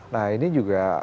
nah ini juga